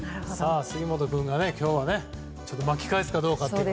杉本君が今日は巻き返すかどうか。